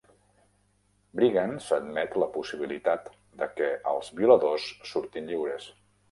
Brigance admet la possibilitat de què els violadors surtin lliures.